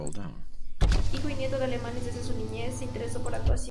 Hijo y nieto de alemanes, desde su niñez se interesó por la actuación.